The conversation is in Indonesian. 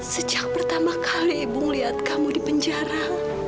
sejak pertama kali ibu melihat kamu di penjara